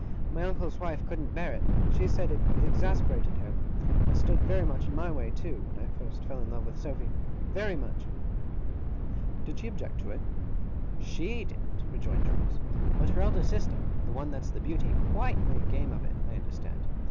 My uncle's wife couldn't bear it. She said it exasperated her. It stood very much in my way, too, when I first fell in love with Sophy. Very much!' 'Did she object to it?' 'SHE didn't,' rejoined Traddles; 'but her eldest sister the one that's the Beauty quite made game of it, I understand.